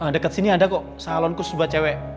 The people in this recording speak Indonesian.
deket sini ada kok salon khusus buat cewek